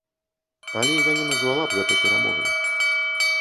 Але я не назвала б гэта перамогай.